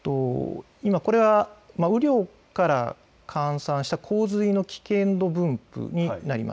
これは雨量から換算した洪水の危険度分布になります。